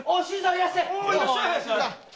いらっしゃい！